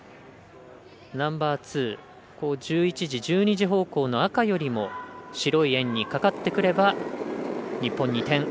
ナンバーツー１１時、１２時方向の赤よりも白い円にかかってくれば日本、２点。